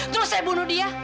terus saya bunuh dia